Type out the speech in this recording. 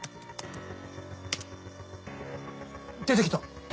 出て来た！